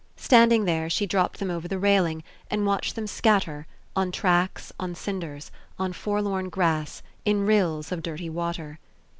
Standing there, she dropped them over the railing and watched them scatter, on tracks, on cinders, on forlorn grass, in rills of dirty water.